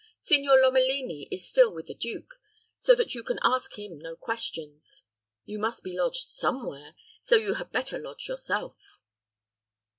Signor Lomelini is still with the duke; so that you can ask him no questions. You must be lodged some where, so you had better lodge yourself."